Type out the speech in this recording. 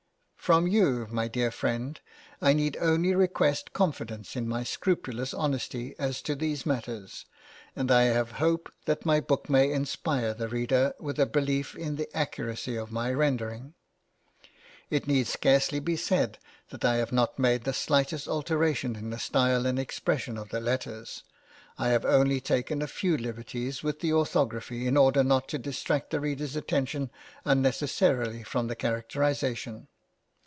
From you, my dear friend, I need only request confidence in my scrupulous honesty as to these matters, and I have hope that my book may inspire the reader with a belief in the accuracy of my rendering. It need scarcely be said that I have not made the slightest alteration in the style and expressions of the letters. I have only taken a few liberties with the orthography in order not to distract the reader's attention unnecessarily from the characterisation.